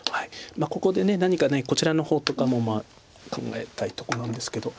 ここで何かこちらの方とかも考えたいとこなんですけど。